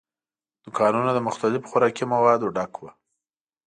دوکانونه له مختلفو خوراکي موادو ډک ول.